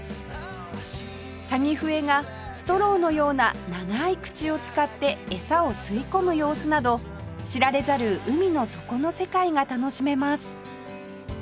サギフエがストローのような長い口を使ってエサを吸い込む様子など知られざる海の底の世界が楽しめます